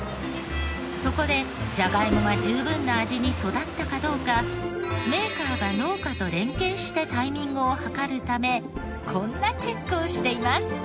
そこでジャガイモが十分な味に育ったかどうかメーカーが農家と連携してタイミングを計るためこんなチェックをしています。